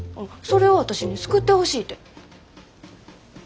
それを私に救ってほしいて。